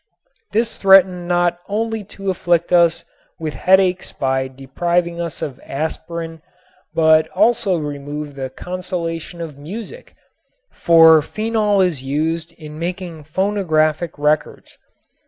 This threatened not only to afflict us with headaches by depriving us of aspirin but also to removed the consolation of music, for phenol is used in making phonographic records.